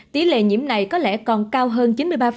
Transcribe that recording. tỷ lệ nhiễm này có lẽ còn cao hơn chín mươi ba